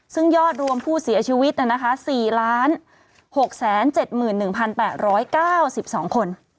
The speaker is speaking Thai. ซึ่งยอดรวมผู้เสียชีวิต๔๖๗๑๘๙๒คน